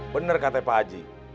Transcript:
bener kata pak haji